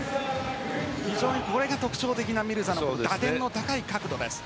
これが特徴的なミルザの打点の高い角度です。